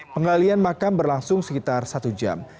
penggalian makam berlangsung sekitar satu jam